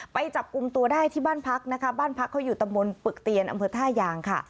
ไปจับกลุ่มตัวได้ที่บ้านพักนะคะบ้านพักเขาอยู่ตำบลปึกเตียนอำเภอท่ายางค่ะ